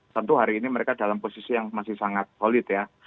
tentu hari ini mereka dalam posisi yang masih sangat solid ya